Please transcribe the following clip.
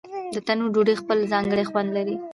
د تنور ډوډۍ خپل ځانګړی خوند لري.